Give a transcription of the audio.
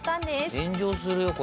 「炎上するよこれ。